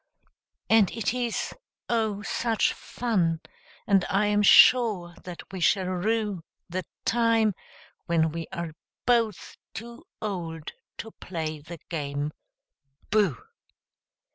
And it is, oh, such fun I am sure that we shall rue The time when we are both too old to play the game "Booh!"